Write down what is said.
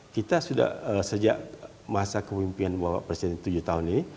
kita sudah sejak masa kemimpinan bapak presiden tujuh tahun ini